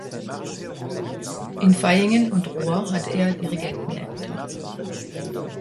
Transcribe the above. In Vaihingen und Rohr hatte er Dirigentenämter.